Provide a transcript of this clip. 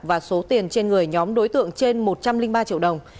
và số tiền trên người nhóm đối tượng trên một trăm linh ba triệu đồng